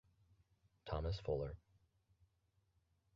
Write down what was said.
Thomas Fuller.